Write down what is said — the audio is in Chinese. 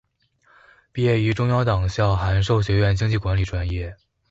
毕业于中央党校函授学院经济管理专业。